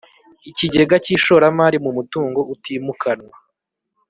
Ikigega cy ishoramari mu mutungo utimukanwa